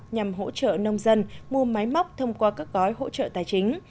nhằm hỗ trợ nông dân mua máy móc thông qua các gói hỗ trợ tài chính